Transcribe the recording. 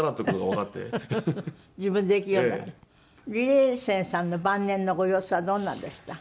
李麗仙さんの晩年のご様子はどんなのでした？